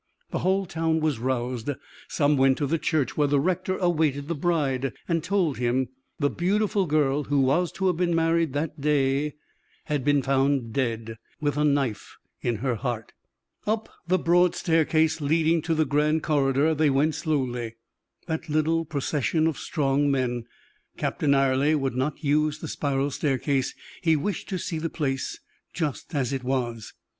The whole town was roused: some went to the church where the rector awaited the bride, and told him the beautiful girl who was to have been married that day had been found dead, with a knife in her heart. Up the broad staircase leading to the grand corridor they went slowly, that little procession of strong men. Captain Ayrley would not use the spiral staircase, he wished to see the place just as it was.